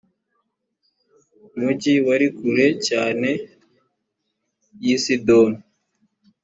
mugi wari kure cyane y i sidoni